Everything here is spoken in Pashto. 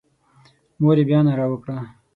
مور یې بیا ناره وکړه.